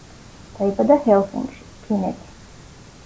დაიბადა ჰელსინკში, ფინეთი.